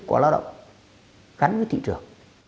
của lao động gắn với thị trường